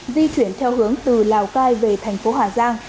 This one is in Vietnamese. di chuyển theo hướng từ lào cai về thành phố hà giang